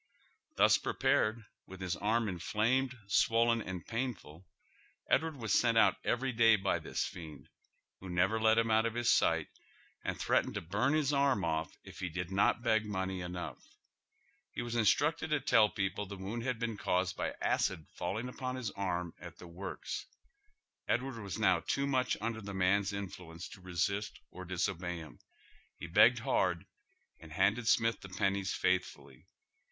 " Thus prepai'cd, with his arm inflamed, swollen, and painful, Edward was sent out every day by this fiend, who never let him out of his sight, and threatened to bum his arm off if he did not beg money enough. He oy Google 86 HOW THE OTHER HALF LIVES. wae inetrueted to tell people the wound had been caused hy acid falling upon his arm at the works. Edward was now too inucfi under the maii'e influence to resist or dis obey him. He begged hard and handed Smith the pen nies faithfully.